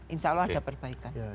insya allah ada perbaikan